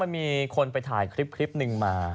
มีคนไปถ่ายคลิปหนึ่งมา